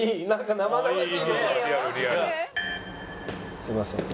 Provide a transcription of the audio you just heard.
「すいません。